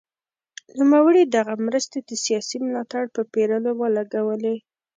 نوموړي دغه مرستې د سیاسي ملاتړ په پېرلو ولګولې.